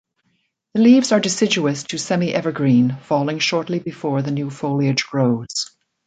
The leaves are deciduous to semi-evergreen, falling shortly before the new foliage grows.